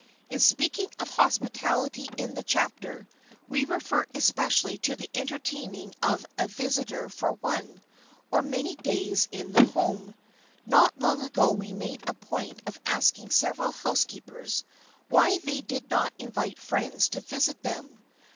In speaking of hospitality in this chapter, we refer especially to the entertaining of a visitor for one, or many days in the home. Not long ago we made a point of asking several housekeepers why they did not invite friends to visit them.